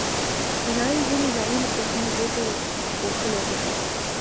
د نړۍ ځینې ځایونه په شنو بوټو پوښلي دي.